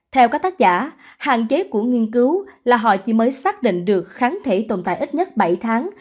theo các tác giả hạn chế của nghiên cứu là họ chỉ mới xác định được kháng thể tồn tại ít nhất bảy tháng